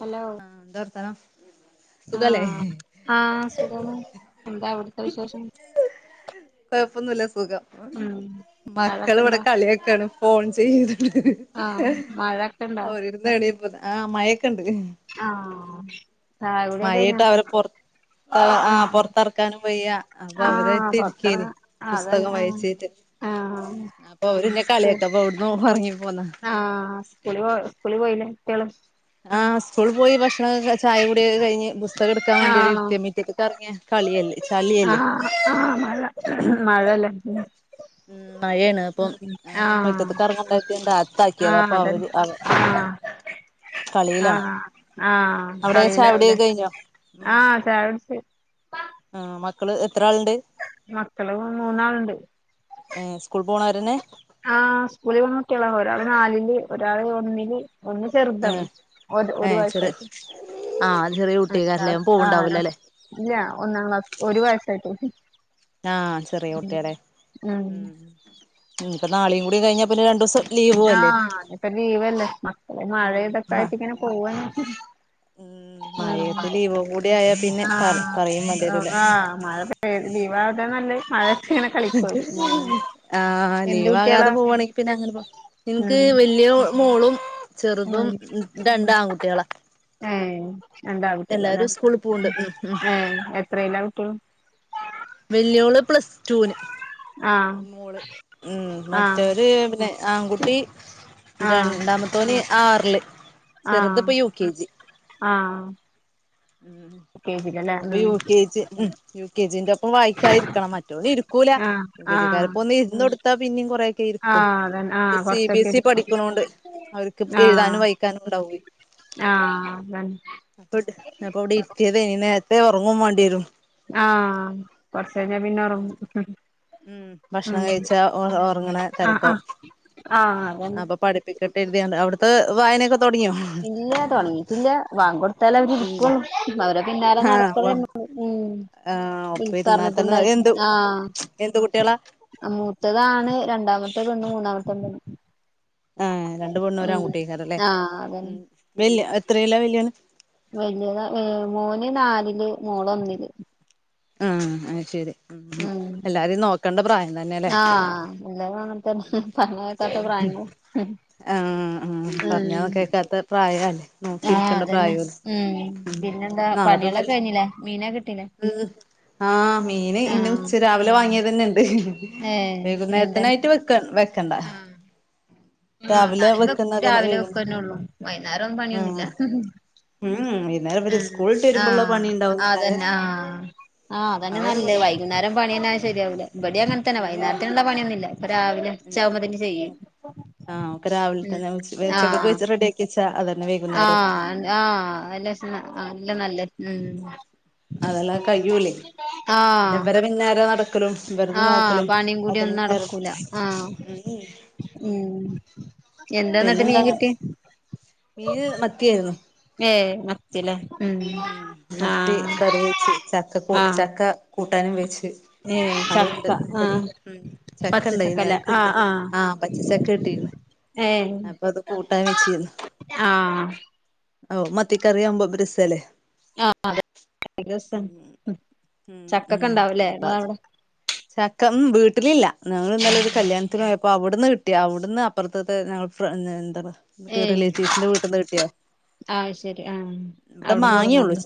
Hello ആഹ് ന്താ വർത്താനം സുഖല്ലേ ആഹ് ആഹ് സുഖാണ് എന്താ അവിടുത്തെ വിശേഷം കുഴപ്പൊന്നുമില്ല സുഖം ഉം മക്കൾ മഴൊക്കെ ഇവിടെ ഇണ്ടോ കളിയാക്കാണ് ഫോൺ ചെയ്ത ആഹ് മഴൊക്കെ ഇണ്ടോ അവർ ഇവിടുന്ന് എനിക്കുല ആഹ് മയക്കണ്ട്ടി ആഹ് ചായ കുടിയൊക്കെ കഴിഞ്ഞോ മഴയായിട്ട് അവരെ പൊറ ആഹ് ആഹ് പൊത്തിറക്കാനും വയ്യ അപ്പൊ ആഹ് അവരയിട്ട് ഇരികേന് പൊറത്തെറങ്ങാ പുസ്തകം അതന്നെ വായിച്ചിട്ട് ആഹ് അപ്പൊ അവര്ന്നെ കളിയക്ക അപ്പൊ അവിടന്ന് ഇറങ്ങി പോന്ന ആഹ സ്കൂ പോ സ്കൂളി പോയില്ലേ കുട്ടികള് ആഹ് സ്കൂളി പോയി ഭക്ഷണം ചായകുടി ഒക്കെ കഴഞ്ഞ് പുസ്തം എടുക്കാൻ വേണ്ടി പുസ്തകം എടുക്കാൻ വേണ്ടി ആഹ് ഇരുത്തിയെ മിറ്റത്ത് പുറത്ത് ഇറങ്ങിയ കളിയല്ലേ ചളിയല്ലേ ആഹ് ആഹ് മഴ മഴല്ലേ ഉം മഴയാണ് ഉ അപ്പം ആഹ മുറ്റത്ത്ക്ക് എറങ്ങാൻ പറ്റാണ്ട് അകത്താക്കിയതാ ആഹ അപ്പൊ അതെ അവര് അവ ആ കളിയിലാണ് ആഹ ആഹ അവിടെ കളിലാവുല്ലേ ചായകുടിയൊക്കെ കഴിഞ്ഞോ ആ ചായ കുടിച്ച് ആ മക്കള് എത്ര ആളിണ്ട് മക്കള് മൂന്നാളുണ്ട് ഏ സ്കൂൾ പോണവരന്നെ ആ് സ്കൂളിൽ പോണ കുട്ടികള ഒരാള് നാലില് ഒരാള് ഒന്നില് ഒന്ന് ചെറുതാണ് ഏഹ് ഒരു ഏഹ് ചെറിയ വയസ്സായിട്ട് ആഹ് ചെറിയ ആഹ് കുട്ടിക്കാരല്ലേ ലാസ് ആഹ് പോവുണ്ടാവില്ല ലാസ് അല്ലേ ഇല്ല ഒന്നാം ക്ലാസ് ഒരു വയസ്സായിട്ട് ഒള്ളൂ ആഹ് ചെറിയ കുട്ടിയല്ലേ ഉം ഉ ഇപ്പ നാളെയും കൂടി കഴിഞ്ഞാ പിന്നെ രണ്ടു ദിവസം ആഹ അപ്പ ലീവല്ലേ മക്കളെ മഴ ഉം ഇതൊക്കെ മ ആയിട്ട് ഇങ്ങനെ പോവാണ് ഉം ഉ മഴയത്ത് ലീവും കൂടി ആയാ പിന്നെ ആഹ പറ പറയും ആഹ് വേണ്ടിവരൂല പറ മഴ ലീവ് ആകാനാണ് നല്ലേ മഴ ആഹ എന്ത് ലീവ് കുട്ടികളാ ആകാതെ പോവുവാണെങ്കി പിന്നെ അങ്ങനെ പോ നിനക്ക് ഉം വലിയ മോളും ഉം ചെറുതും രണ്ട് ആൺകുട്ടികളെ ഉ രണ്ട് ആൺകുട്ടികളാലെ പോവ്ണ്ട് ഉം ഉം മം എപ്പോ എത്രലാ കുട്ടി വല്യോള് പ്ലസ് ടുന് ആഹ് മോള് ഉ ആഹ് മറ്റര് പിന്നെ ആൺകുട്ടി ആഹ് രണ്ടാമത്തോന് ആറില് ചെറുത് ആഹ് ഇപ്പ യു കെ ജി ആഹ് ഉ കെ ജിലല്ലേ അപ്പോ ഉം യു കെജി യു കെ ജിന്റെ ഇപ്പ വായിക്കാതിരിക്കണം മറ്റൊന്ന് ഇരിക്കൂല ആഹ് ആഹ് ബീജിക്കാറോക്കേ ഒന്ന് ഇരുന്ന് കൊടുത്താ പിന്നും കുറ കരിക്കും ആഹ് അതന്നെ ആഹ് സി ബി കൊറച്ചൊക്കെ എസ് ഇ ഇരിക്കും പഠിക്കണണ്ട് അവർക്ക് ആഹ് എഴുതാനും വായിക്കാനും ഉണ്ടാവേയ് ആഹ് അതന്നെ അപ്പ അപ്പൊ ഇവിടെ ഇത്തിയത് ഇനി നേരത്തെ ഉറങ്ങൻ വേണ്ടി വരും ആഹ കുറച്ച കഴിഞ്ഞാ പിന്നെ ഉറങ്ങും ഉം ഭക്ഷണം കഴിച്ചാ ഉറങ്ങണ ആഹ് തിരക്കം ആഹ് ആഹ് അതന്നെ അപ്പൊ പഠ പിക്കട്ട എഴുതിയണ്ട് അവിടുത്തെ വായനയൊക്കെ തുടങ്ങിയോ ഇല്ല തുടങ്ങിട്ടില്ല വാങ്കു കൊടുത്താല അവരിരിക്കുള്ളു അവരെ പിന്നാലെ നടക്കണം നമ്മള് ഉം ആഹ ഈ ഒപ്പ ഇരുന്നാൽ തന്നെ പറഞ്ഞിട്ടുണ്ടായിട്ടും എന്ത് ആഹ് എന്ത് കുട്ടികളാ മൂത്തതാണ് രണ്ടാമത്തേ പെണ്ണ് മൂന്നാമത്തെ പെണ്ണ് ആഹ രണ്ടു പെണ്ണും ഉം ആൺകൂട്ടിക്കാറല്ലേ ആഹ് അതന്നെ ഉ വല് എത്രല്ല വലിയവൻ വല്യത ഏ മോന് നാലില് മോള് ഒന്നില് ആഹ അ ശരി ഉം ഉ ഉം എല്ലാരിം നോക്കണ്ട പ്രായം തന്നെല്ലേ ആഹ എല്ലും അങ്ങനത്തെന്ന പറഞ്ഞതക്കാത്ത പ്രായങ്ങൾ ഉം ആ ഉ പറഞ്ഞാ കേക്കാത്ത പ്രായല്ലേ ആഹ് നോക്കിക്കേണ്ട അതന്നെ പ്രായവും ഉം ഉ പിന്നെന്താ നാളെപ്പോ പണികളൊക്കെ കഴിഞ്ഞില്ലേ മീനെ കിട്ടീല്ലേ ഉ ആഹ് മീൻ ഇന്ന് ആഹ് ഉച്ച രാവിലെ വാങ്ങിയത് തന്നെ ഉണ്ട് ഏഹ് എന്താ വൈകുന്നേരത്തിനായിട്ട് വെക്ക വെക്കണ്ട ഉം രാവിലെ ഞാൻ വെക്കുന്നതന്നെ രാവിലെ വൈകുന്നേ വെക്കന്നെ ഉള്ളൂ വൈകുന്നേരം ഒന്നും പണിയൊന്നില്ല ആഹ് ഉം വൈകുന്നേരം ഒരു സ്കൂളിട്ട് വരുമ്പോള്ള പണി ഉണ്ടാവുന്നല്ലാതെ ആഹ ആ ആതന്നെ ഒരു നല്ലേ വൈകുന്നേരം പണി ന്നെ ആയാൽ ശരിയാവില്ല ഇവിടെ അങ്ങനെ ഏഹേ വൈകുന്നേരത്തിനുള്ള പണിയൊന്നുമില്ല ഇപ്പൊ രാവിലെ ഉം ഉച്ചാവുമ്പോ തന്നെ ചെയ്യും ഉം ആഹ് രാവിലെ ഉം തന്നെ ഉച്ചക്ക് റെഡി ആക്കി വച്ചാ അതന്നെ വൈകുന്നേരോം ആഹ ആഹ അല്ല നല്ല നല്ല ഉ അതെല്ലാം കഴിയൂല്ലേ ആഹ് പിന്നേര നടക്ക വെക്കലും വെറുതെ ആഹ് നോക്കലും പണിയും കൂടി അതിൻ ഒന്നും നടക്കൂല ആഹ് നേരമുള്ളൂ ഉം എന്താ ഇന്നിട്ട് മീൻകിട്ടി മീന് മത്തിയായിരുന്നു ഏഹ് മ ഉം മത്തി കറി വേച്ച് ചക്ക ക ആഹ് ചക്ക കൂട്ടാനും വേച്ച് ഏഹ് അയ് ചക്ക ഇണ്ട് ഒരു ആഹ് ഉം ചക്ക ഇണ്ടായിന് പച്ചച്ചക്കല്ലേ ആഹ് [unintelligible] ആഹ് പച്ച ചക്ക കിട്ടിന്ന് ഏഹ് അപ്പൊ അത് കൂട്ടാൻ വച്ചിരുന്നു ആഹ് ഔ മത്തി കറി ആവുമ്പോ ഇപ്പ രസല്ലേ ആഹ് ആഹ് [unintelligible] ഉം ഉം ചക്കൊക്കെണ്ടാവുല്ലേ അപ്പൊ അത് ഇങ്ങളവടെ ചക്ക ഉം വീട്ടിലില്ല ഞങ്ങൾ ഇന്നെലെ ഒരു കല്യാണത്തിന് പോയി അപ്പോ അവിടുന്ന് കിട്ടി അവിടുന്ന് അപ്പുറത്തത്തെ ഞങ്ങൾ എന്താണ് ഏയ് റിലേറ്റീവ്സിന്റെ വീട്ടിൽ നിന്ന് കിട്ടിയാ ആഹ് ശരി ആഹ് അവിടുന്ന് കൊടുന്നാല്ലെ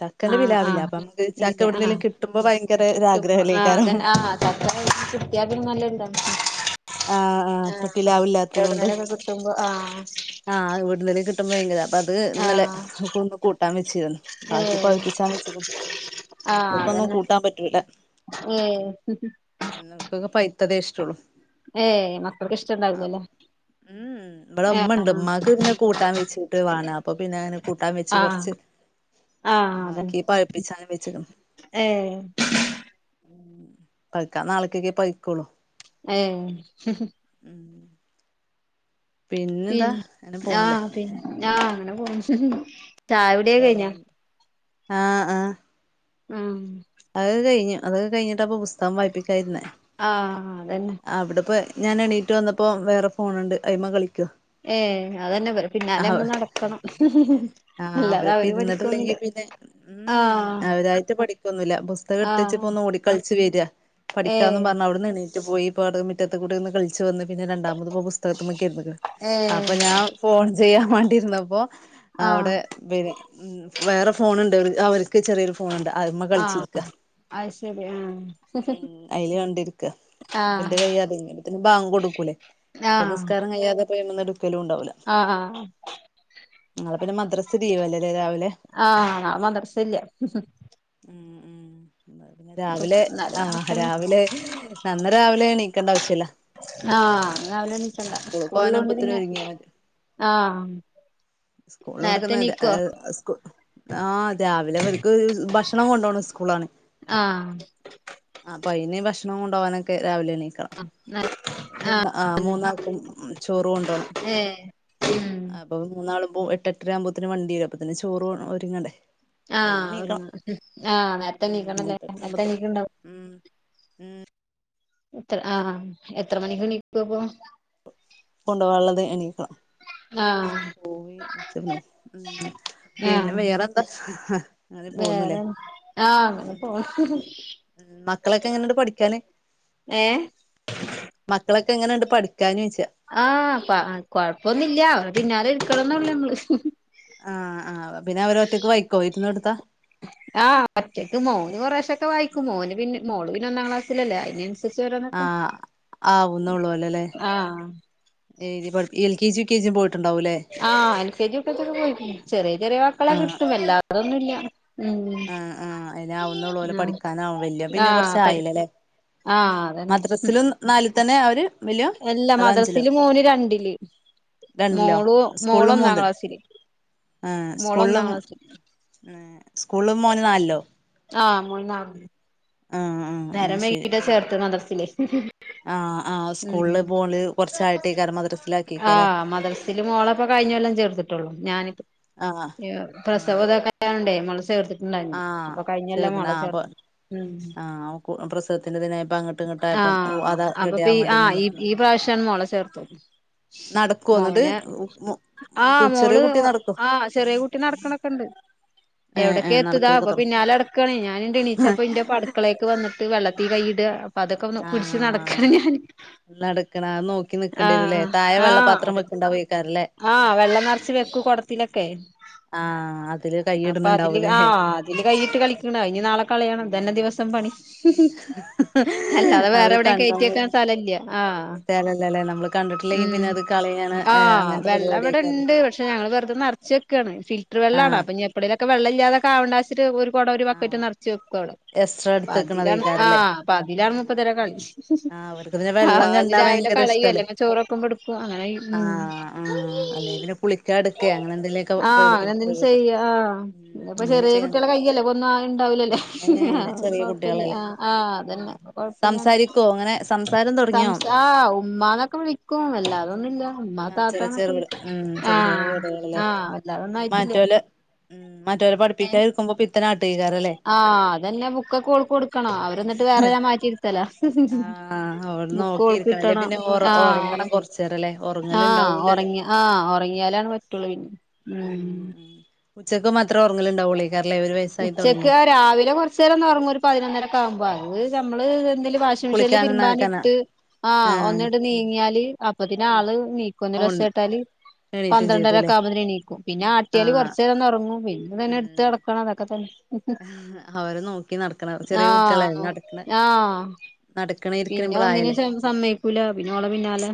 ചാക്കന്റെ പിലാവില്ല അപ്പൊ നമുക്ക് ചക്കന്റെ പിലാവ് ഇല്ല അപ്പൈ ഇല്ല നമുക്ക് ആഹ് എവിടെന്നെങ്കിലും കിട്ടുമ്പോ ഭയങ്കര ആഗ്രഹം അല്ലേയ്ക്കാരം ഒരുരാഗ്രഹമേക്കാാരോ ചക്കക്കെ കിട്ട്യാ തിന്നല്ണ്ട് ആഹ് അപ്പൊ ആഹ് പിലാവില്ലാത്തത് കൊണ്ട് എവിടുന്നേലും ഒക്കെ കിട്ടുമ്പോ ആഹ് ആഹ് ഇവിടുന്നേലും കിട്ടുമ്പോ ഭയങ്കരം അപ്പൊ അത് ഇന്നലെ ആഹ് കൂ- കൂട്ടാൻ വെച്ചിരുന്നു ഏ ബാക്കി പഴുപ്പിച്ചാൻ വെച്ചിരുന്നു മക്കൾക്കൊന്നും കൂട്ടാൻ പറ്റൂല ഏഹ് വന്നോൽ ക്കൊക്കെ പൈയ്ത്തതേ ഇഷ്ട ഒള്ളൂ ഏഹ് മക്കൾക്ക് ഇഷ്ട ഉണ്ടാകൂലല്ലേ ഉം ഇവിടെ ഉമ്മ ഉണ്ട് ഉമ്മാക്ക് പിന്നെ കൂട്ടാൻ വെച്ചിട്ട് വാണം അപ്പൊ പിന്നെ അങ്ങനെ കൂട്ടാൻ വെച്ച് ആഹ് കൊറച്ച് ആഹ് അതന്നെ ബാക്കി പഴുപ്പിച്ചാണ് വെച്ചിക്ക്ണ് ഏ ഉം പയ്ക്കാൻ നാളക്കൊക്കെ പയ്ക്കോള്ളൂ ഏഹ് ഉം പിന്ന പോണില്ലേ ആഹ് പിന്നെ ആഹ് അങ്ങനെ പോണ് ചായാകൂടി ഒക്കെ കഴിഞ്ഞോ ഉം ആഹ് ആഹ് ആഹ് അത് കഴിഞ്ഞു അതൊക്കെ കഴിഞ്ഞിട്ട് ഇപ്പൊ പുസ്തകം വായിപ്പിക്കായിനിരുന്നേ ആഹ് അതന്നെ അവിടെപ്പോ ഞാൻ എണീറ്റ് വന്നപ്പോ വേറെ ഫോണുണ്ട് അയിമ്മ കളിക്കാ ഏ അതന്നെ ഇവര് പിന്നാലെ നമ്മള് നടക്കണം ആഹ് അല്ലാതെ അവരപ്പ അവര് പഠിക്കോന്നില്ല ഇരുന്നിട്ടില്ലെങ്കി പിന്നെ ഉം അവരായിട്ട് പഠിക്കൊന്നുല്ല പുസ്തകം എടുത്തച്ച് ആഹ് പോ ഒന്ന് ഓടി കളിച്ചു വര ഏ പഠിക്കാന്ന് പറഞ്ഞു അവിടന്ന് എണീ- പോയി ഇപ്പവിടെ മുറ്റത്ത് കൂടെ ഒന്ന് കളിച്ച് വന്ന് പ്പ രണ്ടാമത് പുസ്ത- പുസ്തകത്തിമേൽ ഇരുന്നുക്ക്‌ണ് ഏ അപ്പൊ ഞാൻ ഫോൺ ചെയ്യാൻ വേണ്ടി ഇരുന്നപ്പോ ആഹ് അവിടെ- ഇവന് വേറെ ഫോണുണ്ട് അവർക്ക് ചെറിയൊരു ഫോണുണ്ട് അതിമ്മെ ആഹ് കളിച്ചിരിക്കാ അത് ശരി ആഹ് ഉം അയില് കണ്ടിരിക്ക ഇപ്പന്റെ ആഹ് കയ്യാതെ ബാങ്ക് കൊടുക്കൂലേ ഇപ്പ നിസ്കാരം കയ്യാതെ ഇപ്പതിന്മേൽ എടുക്കലും ഉണ്ടാവൂല്ല ആഹ് ആഹ് നാളെ പിന്നെ മദ്രസ് ലീവല്ലേ ലേ രാവിലെ ആഹ് മദ്റസ ഇല്യാ ഉം ഉം പിന്നെ രാവിലെ എന്നാലും ആ കണക്കന്നെ രാവിലെ നന്ന് രാവിലെ എണീക്കേണ്ട ആവശ്യ ഇല്ല ആ നന്ന് രാവിലെ എന്നീക്കണ്ട സ്കൂളിൽ കൊണ്ട് പോകാനാവുമ്പോത്തിന് പിന്നെ ഒരുങ്ങിയാ മതി ആഹ് സ്കൂളിൽ ഉള്ളോണ്ടൊക്കെ നേരത്തെ എണീക്കോ ഇന്ന് സ്കു ആ രാവിലെ ഇവർക്ക് ഭക്ഷണം കൊണ്ടുപോണ സ്കൂളാണ് ആഹ് അപ്പംഅയ്ൻ ഭക്ഷണം കൊണ്ട് പോകാനൊക്കെ രാവിലെ എണീക്കണം. ആഹ് മുനാ ആ മൂന്നാൾക്കും ചോറു കൊണ്ടോണം ഏഹ് ഉം അപ്പൊ മൂന്നാളുമ്പോ എട്ട എട്ടര ആകുമ്പോത്തന് വണ്ടി വരും അപ്പതന്നെ ചോറ് ഒരുങ്ങണ്ടേ ആ അയിന് എണീക്കണം ഒരുങ്ങാൻ ആ ഉം നേരത്തെണീക്കണല്ലേ എട്ട് എട്ടര ആവുമ്പോത്തിന് നേരത്തെണീക്കനുണ്ടാവും ഉം എത്ര ആ എത്ര മണിക്ക് എണീക്കും അപ്പോ കൊണ്ടോവള്ളത് എണീക്കണം ആഹ് പോയി ഉം പിന്നെ ആഹ് വേറെന്താ അങ്ങനെ പോന്നുല്ലേ വേറെ ആഹ് അങ്ങനെ പോ ഉം മക്കളൊക്കെ എങ്ങനണ്ട് പഠിക്കാന് ഏഹ് മക്കളൊക്കെ എങ്ങനെണ്ട് പഠിക്കാന് ചോയിച്ച ആഹ് പ കൊഴപ്പൊന്നില്ല അവര് പിന്നാലെ ഇരിക്കണന്നുള്ളു മ്മള് ആഹ് ആ ഹ് പിന്നെ അവര് ഒറ്റയ്ക്ക് വായുക്കോ ഇരുന്ന് കൊടുത്താ ആഹ് ഒറ്റക്ക് മോന് കൊറേശൊക്കെ വായിക്കും മോന് പിന്നെ മോള് പിന്നെ ഒന്നാം ക്ലാസ്സിലല്ലേ അയി മീൻസ് ച്ചരന്നൊക്കെ ആഹ് ആഹ് ഏയ്തിപഠിപ്പി L K G U K ജിയും പോയിട്ടുണ്ടാവുംല്ലേ ആഹ് എൽ കെ ജി യുക്കെജിക്കെ പോയിക്കണ് ചെറിയ ചെറിയ വാക്കളൊ ക്കെ കിട്ടും എല്ലാതൊന്നും ഇല്ല അഹ് ആഹ് അതിനാവുന്നുള്ളുല്ലോ ആഹ് പഠിക്കാനാവും വല്യ പിന്നെ ആഹ് പഠി കുറച്ചായില്ലല്ലേ ആഹ് അതന്നെ ദറസിലും നാലിൽ തന്നെയാ അവര് വല്യോ അല്ലാ അതോ അഞ്ചിലോ മദ്രസില് മോന് രണ്ടില് രണ്ടിലോ മോളു സ്കൂളില് മോളൊന്നാം മൂന്നിലോ ക്ലാസ്സില് മോള് ഒന്നാം ക്ലാസ്സില് ഉമ് സ്കൂളില് മോന് നാലിലോ ആഹ് മോൻ നാളില് ആഹ് ആഹ് ആഹ് നേരം ശരി വൈകിട്ടാ ഉം ചേർത്തത് മദ്രസയില് ആഹ് ആഹ് സ്കൂളില് പോല് കുറച്ചായിട്ടേ കാര മദ്രസ്സിലാക്കിക്കല്ലേ മോളെപ്പോ കഴഞ്ഞൊല്ലം ചേർത്തിട്ടുള്ളു ഞാനിപ്പ ആഹ് ആഹ് പ്രസവതൊക്കെ യപ്പോ നണ്ടേ മോളെ ചേർത്തിട്ടുണ്ടായില്ല ആഹ് അപ്പൊ കഴിഞ്ഞല്ലാ മോളെ ചേർത്തെ ഉം കൂ ആ പ്രസ ആഹ് റെഡി അപ്പൊപ്പി ആവാൻ വേണ്ടി ആഹ് ഈ നിന്നിട്ടുള്ളതാ ഈ പ്രാവശ്യണ് മോളെ ചേർത്തത് നടക്കുവോ എന്നിട്ട് മോന കു ആഹ് ചെറിയ മോള് കുട്ടി നടക്കോ ആ ചെറിയ കുട്ടി തി നടക്കണൊക്കെണ്ട് ഏഹ് എവിടയക്കെ ഏഹ് എതു താ നടക്കലൊക്കെ അപ്പ തൊട പിന്നാലെടക്കണ ഞാനൊണ്ട് എണീച്ചപ്പ ഇന്റൊപ്പ അടക്കള അടുക്കളേക്ക് വന്നിട്ട് വെള്ളത്തി കൈയിട അപ്പൊ അതൊക്കെ പുടിച്ച് ആഹ് നടക്കാണ് ഞാന് നടക്കണ നോക്കി നിക്കണ്ടിരൂല്ലേ ആഹ് താഴെ ആഹ് വെള്ളപ്പാത്രം അത് വെക്ണ്ടാവെക്കരുലെ ആഹ് വെള്ളം നിറച്ച് വെക്കു കൊടത്തിലൊക്കെ ആഹ് അതില് അപ്പ അതില് കൈയിടണുണ്ടാവൂലേ ആഹ് അതില് കൈയിട്ട് കളിക്കണ് അഇനി നാളെ കളയണം ഇത് തന്നെ ഉം ദിവസം പണി അല്ലാതെ വേറെ അവര് എവിടെയും കെയറ്റി കണ്ണമ്മ വെക്കാൻ സ്ഥലല്ല്യ ആഹ് സ്ഥലല്ലല്ലേ നമ്മള് കണ്ടിട്ടില്ലെങ്കി പിന്നെ ഉം അത് കളയാണ് ആഹ് അങ്ങനത്തെ വെള്ള പരിപാടിയൊക്കെല്ലേ ഇവിടെണ്ട് പക്ഷെ ഞങ്ങള് വെറുതെ നറച്ച് വക്കാണ് ഫിൽറ്റർ വെള്ളാണ് ആഹ് അപ്പ എപ്പളേലൊക്കെ വെള്ള ഇല്ലാതൊവണ്ട ഒരു കുടം ഒരു ബക്കറ്റ് ആഹ് നിറച്ച് വെക്കാണ് എക്സ്ട്രാ പതിലാണ് എടുത്തക്കണതേക്കാരല്ലേ ആഹ് പതിലാണ് ആഹ് മുപ്പതിര കളി ആഹ് അവർക്ക് പിന്നെ ആഹ് വെള്ളം അത് കണ്ടാ രാവിലെ ഭയങ്കര ഇഷ്ടല്ലേ കളയല്ലെങ്കിൽ ചോറൊക്കുമ്പടുകും അങ്ങനെ ചെയും ഉം ആഹ് ആഹ് അല്ലെ പിന്നെ കുളിക്കാ എടുക്കേ അങ്ങനെ എന്തെങ്കിലുമൊക്കെ ആഹ് അങ്ങനെ എന്തെങ്കിലും പറ്റും ചെയ്യാ ഉം ആഹ് ചെറിയ കുട്ടികളെ കയ്യല്ലേ പോ ഒന്നായിണ്ടാവിലല്ല അങ്ങനെല്ല ചെറിയ കുട്ട് ആഹ് ആഹ് അതന്നെ കൊഴപ്പില്ലണ സംസാരിക്കോ അങ്ങനെ സംസാരം തുടങ്ങിയോ സംസാ ആഹ് ഉമ്മാന്നൊക്കെ വിളി ക്കും വല്ലാതൊന്നുംല്ല മ്മ ആഹ് ചെറിയ താത്തനെ ചെറു വീട് കുളിക്കും ഉം ആ ചെറിയ ചെറിയ വീടുകളല്ലേ ഹ് ആഹ് അതൊന്നും ആയിട്ടില്ല മറ്റോലെ ഉം മറ്റവരെ പഠിപ്പിക്കാ ഇരിക്കുമ്പോ പ്പ ഇത്തനാട്ടീക്കാരല്ലേ ആഹ് അതന്നെ ബുക്കൊക്കെ ഓൾക് കൊടുക്കണം അവരെ എന്നിട്ട് വേറെ ഞാൻ മാറ്റിയിരുത്തല ആഹ് അവിടെ ബുക്ക് ഓൾക്ക് നോക്കിയിരിക്കണം അല്ലേ കിട്ടണം പിന്നെ ഒറ ആഹ് ഒറങ്ങണം അതെ കൊറച്ചേരല്ലേ ആഹ് ഒറങ്ങലുണ്ടാവൂലല്ലോ ഉറങ്ങിയ ആഹ് ഉറങ്ങിയാലാണ് പറ്റുള്ളൂ ഉം ഉച്ചക്ക് മാത്രം ഉറങ്ങില് ഉണ്ടാവൂള്ളേക്കാല്ലേ ഒരു വെ ഉച്ചക്ക് രാവിലെ കൊറചേരം ഒന്ന് ഒറങ്ങും ഒരു പതിനൊന്നരൊക്കൊവുമ്പോ അത് നമ്മള് എന്തേലു വാഷ് മിഷ്യല് കുളിക്കാനും നനക്കാനാ തിരുമ്പാനിട്ട് ആഹ് ഒന്നിട്ട് നീങ്ങിയാല് അപ്പത്തിന് ഉം ആള് നീക്കും എന്തേലും ഒച്ച ഒന്ന് കേട്ടാല് എണീറ്റും പന്ത്രണ്ടര ചെയ്തുല്ലേ ഒക്കൊകുമ്പത്തിന് എണീക്കും പിന്നെ ആട്ടിയാല് ആഹ് കൊറചേരം ഒന്ന് ഒറങ്ങും പിന്നെ തന്നെ എട്ത്ത് ഉം ടക്കണം അതൊക്കെ തന്നെ. അവരെ നോക്കി നടക്കണം ചെറിയ ആഹ് ആഹ്. നടക്കണെ പിന്നെ ഒന്നിനും സമ്മ സമ്മയ്ക്കൂല്ല പിന്നെ ഓള പിന്നാലെ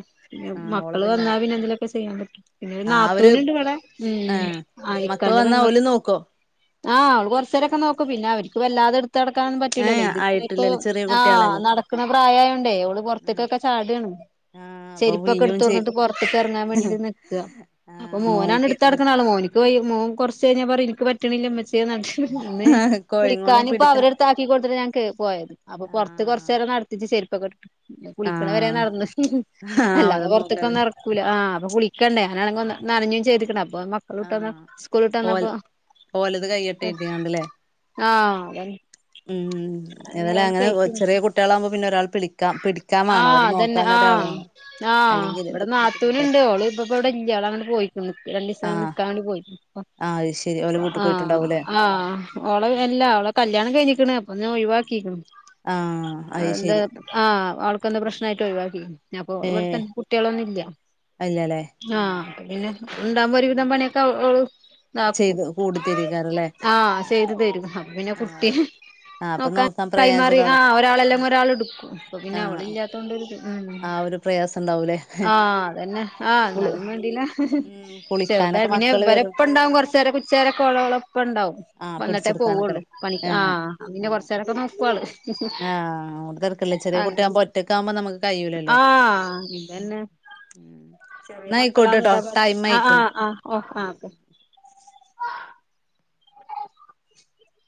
ആഹ് ഓളെ മക്കള് വന്നാല് പിന്നെ എന്തേലുക്കെ ചെയ്യാൻ പറ്റു. പിന്നെ ഒരു ആഹ് അവര് നാത്തൂന് ഇണ്ട് ഇവടെ ഉം ആഹ് ആ മക്കള് ഇക്കാന്റെ വന്നാ പെങ്ങൾ ഓല് നോക്കോ ആഹ് അവള് കൊർചേരൊക്കെ നോക്കും പിന്നെ അവര്ക്ക് വല്ലാതെടു ത്ത്ടക്കാനൊന്നും പറ്റൂലല്ലോ ഏഹ് ഇത്ങ്ങനെ ഇപ്പോ ആയിട്ടില്ലല്ലേ ചെറിയ ആഹ് കുട്ടികളല്ലേ നടക്ണ പ്രായായൊണ്ടേയ് ഓള് ഉം പുറത്തേക്കൊക്കെ ചാടാണ്. ആഹ് അപ്പൊ ചെരിപ്പൊക്കെ വീഴും ചെയ്യും എടുത്തൊട്ന്നിട്ട് പൊർത്ത്ക്ക് റങ്ങാൻ വേണ്ടീട്ട് നിക്കാ. അപ്പൊ ആഹ് മോനാണ് നോക്കി നിക്ക എട്ത്തടക്ക്ന ആള് മോനിക്ക് വയ മോൻ കൊർച്ച ഴിഞ്ഞാ പറയും എനിക്ക് പറ്റ്ണില്ല ഉമ്മചിയേ പിന്നെ കോഴിങ്ങോട് കുളിക്കാന് ഇപ്പൊ പിടിക്കണ അവരെ താക്കി കൊടുത്തിട്ട് ഞാൻ കേ പോയത് അപ്പൊ പൊർത്ത് ആഹ് കൊർചേരം നടത്തിച് ചെരുപ്പൊക്കെട്ടിട്ട്. കുളിക്ണ വരെ ആഹ് നടന്ന്, ആഹ് അവരെ അല്ലാതെ നോക്കാറ് പൊർത്ത്ക്കൊന്നും എറക്കൂല ആഹ് അപ്പൊ കുളി ക്കണ്ടേ ഞാനാണെങ്കി നനഞ്ഞും ചെയ്തിക്ക്ണ് അപ്പൊ മക്കള് വിട്ട് വന്നപ ആഹ് സ്കൂള് വിട്ട് വന്നപ്പോ ഓല് ഓലത് കയ്യ ആഹ് അതെ. ഉം തെല്ല അങ്ങനെ ചെറിയെ കുട്ടീളാകുമ്പോ പിന്നെ ഒരാള് പിടിക്ക പിടിക്കാൻ വാണം ആഹ് അവരെ അതന്നെ നോക്കാൻ ഒരാള് ആഹ് വാണം. ആഹ് ഇവടെ നാത്തൂന് ഇണ്ട് ഓള് ഇപ്പ ഇവടെ ഇല്ലിയ, അങ്ങ്ട്ട് പോയിക്ക്ണ് രൻണ്ടീസം ആഹ് നിക്കാം വേണ്ടി പോയി ആഹ് അയ്ശരി ഓല് വീട്ട് പോയിട്ടുണ്ടാവൂലേ. ആഹ് ഓളെ എല്ലാ അവളെ കല്യാണം കഴിഞ്ഞിക്ക്ണ് അപ്പൊ ഒഴിവാക്കിക്ണ്. ആഹ് അത് എന്താ ശെരി ആഹ് ആവൾക്കന്തൊ പ്രശ്നായിട്ട് ഒഴിവാക്കി, അപ്പൊ ഇവിട്തേ ഏഹ് കുട്ടീളൊന്നും ഇല്ല അല്ലല്ലേ ഏഹ് ആഹ് പിന്നെ ഉണ്ടാവുംമ്പോ അപ്പൊ ഒരുവിധം പിന്നെ പണിയൊക്കെ അ ചെയ്ത് കൂടിത്തരിയ്ക്കാരല്ലേ. ആഹ് ചെയ്ത് തരും അപൊ പിന്നെ കുട്ടി ആഹ് അപ്പൊ നോക്കാൻ കൈമാറി പ്രയാസണ്ടാവൂല ആഹ് ഒരാളെല്ലെങ്കി ഒരാള് ടുക്കും അപ്പ പിന്നെ ആഹ് അവളില്ലാ ത്തൊണ്ടിരിക്ക ഉം. ആ ഒരു പ്രയാസം ഉണ്ടാവൂലേ ആഹ് അതന്നെ ആഹ് കുളി എന്നാലും വേണ്ടീല്ല. ഉം ചെറുതാണ് കുളിക്കാനൊക്കെ പിന്നെ മക്കള് വരും ഇവരെപ്പം ണ്ടാവും കൊർചേരം ഉച്ചവരെഒക്കെഓള്ഓളെ പ്പം ഉണ്ടാവും, ആഹ് വന്നിട്ടേ പോവുള്ളൂ പിടിച്ചെടുക്കാനൊക്കെല്ലേ പണി ഏഹ് ആഹ് അങ്ങനെ ആഹ് കൊർചേരൊക്കെ നോക്കും ആള്. ആഹ് [unintelligible] ചെറീ അങ്ങനെ കുട്ടീയാകുമ്പോ ഒറ്റക്ക് ആകുമ്പോ നമ്മക് ആഹ് ഇതന്നെ, ഉം ചെറിയ ന്നാ മക്കളാവുമ്പോ ആയിക്കോട്ടെട്ടോ ഇതാ പാട് ടൈം ആഹ് ആ. ആയിക്ക്ണ് ആഹ് ഓ ആഹ് ഓക്കെ. [inaudible]